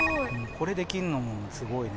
これできんのもすごいね。